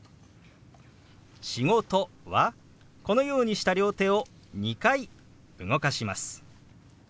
「仕事」はこのようにした両手を２回動かします。